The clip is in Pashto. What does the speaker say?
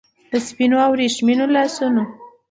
د سپینو او وریښمینو لاسونو